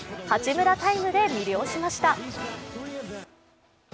八村タイムで魅了しました。